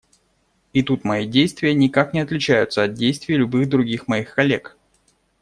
И тут мои действия никак не отличаются от действий любых других моих коллег.